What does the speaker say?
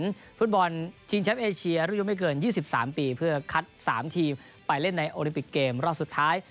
เพราะฉะนั้นภูตบอลทีมชาวเอเชียรูปยุงไม่เกิน๒๓ปีเพื่อคัด๓ทีมไปเล่นในโอลิปิกเกมรอบสุดท้าย